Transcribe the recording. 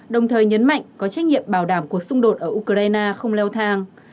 đồng thời nhấn mạnh có trách nhiệm bảo đảm cuộc xung đột ở ukraine không leo thang